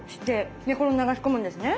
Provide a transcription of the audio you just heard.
でこれを流し込むんですね。